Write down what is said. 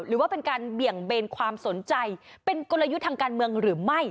หรือว่าเป็นการเบี่ยงเบนความสนใจเป็นกลยุทธ์ทางการเมืองหรือไม่